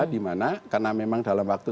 dimana karena memang dalam waktu